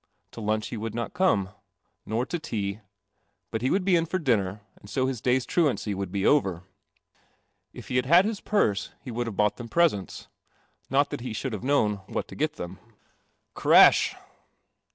To lunch he iKl n me, n to tea, but he would be in for dinner, and bo his day' lancy would be 1 1 be had had his purse he would have h ught them presents — not that he should have known what to gel them. C ish!